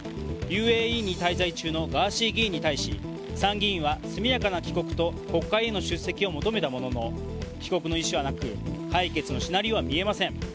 ＵＡＥに滞在中のガーシー議員に対し参議院は速やかな帰国と国会への出席を求めたものの帰国の意思はなく解決のシナリオは見えません。